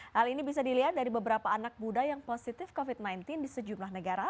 hal ini bisa dilihat dari beberapa anak muda yang positif covid sembilan belas di sejumlah negara